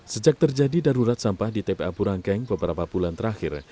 sejak terjadi darurat sampah di tpa burangkeng beberapa bulan terakhir